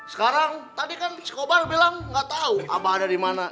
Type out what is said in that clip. sekarang tadi kan si kobang bilang gak tahu abah ada di mana